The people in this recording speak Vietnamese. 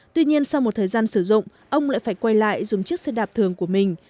tuy nhiên sau một thời gian sử dụng ông lại phải quay lại dùng chiếc xe đạp thường của mình